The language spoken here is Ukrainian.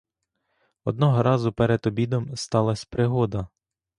Одного разу перед обідом сталась пригода.